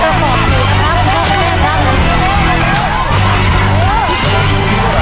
หกชิ้นต่อนึงกล่องนะฮะ